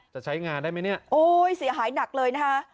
จะใช้งานได้ไหมเนี่ยโอ้ยเสียหายหนักเลยนะคะ